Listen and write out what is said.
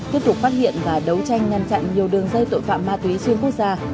tiếp tục phát hiện và đấu tranh ngăn chặn nhiều đường dây tội phạm ma túy xuyên quốc gia